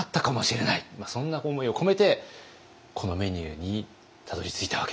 そんな思いを込めてこのメニューにたどりついたわけです。